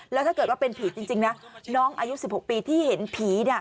แล้วถ้าเกิดว่าเป็นผีจริงนะน้องอายุ๑๖ปีที่เห็นผี